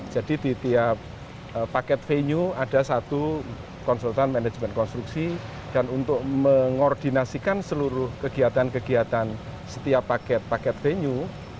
jadi di tiap paket venue ada satu konsultan manajemen konstruksi dan untuk mengordinasikan seluruh kegiatan kegiatan setiap paket paket venue